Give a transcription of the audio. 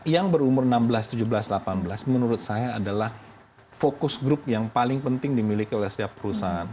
yang berumur enam belas tujuh belas delapan belas menurut saya adalah fokus grup yang paling penting dimiliki oleh setiap perusahaan